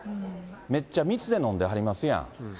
めっちゃ密で飲んではりますやん。